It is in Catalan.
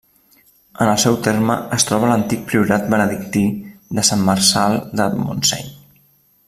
En el seu terme es troba l'antic priorat benedictí de Sant Marçal de Montseny.